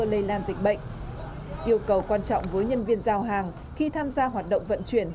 lây lan dịch bệnh yêu cầu quan trọng với nhân viên giao hàng khi tham gia hoạt động vận chuyển